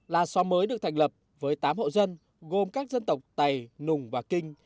là xóm mới được thành lập với tám hộ dân gồm các dân tộc tày nùng và kinh